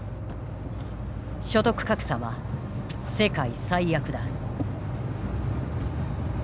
所得格差は世界最悪だ。